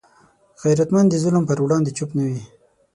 غیرتمند د ظلم پر وړاندې چوپ نه وي